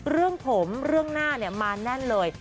เรื่องผมเรื่องหน้ามาแน่นเลย